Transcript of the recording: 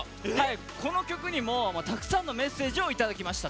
この曲にもたくさんのメッセージをいただきました。